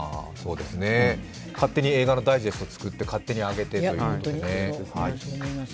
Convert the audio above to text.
勝手に映画のダイジェストを作って、勝手にあげてという。